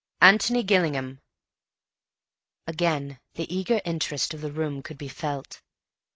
"Antony Gillingham!" Again the eager interest of the room could be felt.